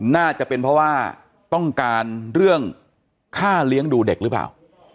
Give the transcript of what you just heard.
น่าจะเป็นเพราะว่าต้องการเรื่องค่าเลี้ยงดูเด็กหรือเปล่า